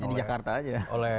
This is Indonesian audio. jadi di jakarta aja